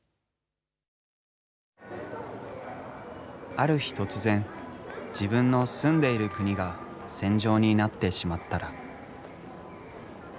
ある日突然自分の住んでいる国が戦場になってしまったら。